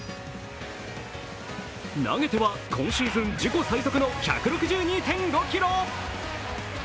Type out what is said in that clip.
投げては今シーズン自己最速の１６２．５キロ。